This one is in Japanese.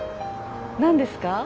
何ですか？